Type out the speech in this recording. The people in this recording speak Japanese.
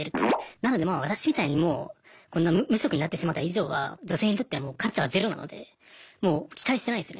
なのでまあ私みたいにもうこんな無職になってしまった以上は女性にとってはもう価値はゼロなのでもう期待してないですよね